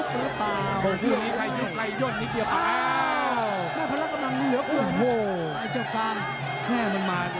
กรากไม่ได้ยุบหรือเปล่า